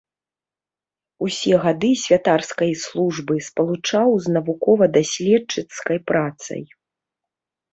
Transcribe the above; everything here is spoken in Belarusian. Усе гады святарскай службы спалучаў з навукова-даследчыцкай працай.